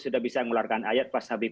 sudah bisa mengularkan ayat